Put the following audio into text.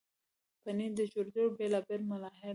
پنېر د جوړېدو بیلابیل مراحل لري.